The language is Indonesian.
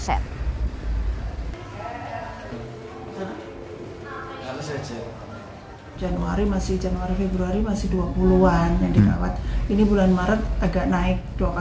januari februari masih dua puluh an yang dikawal